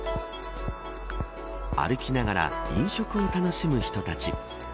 歩きながら飲食を楽しむ人たち。